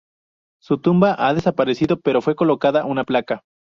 Su tumba ha desaparecido, pero fue colocada una placa.